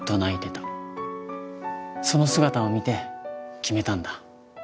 その姿を見て決めたんだ。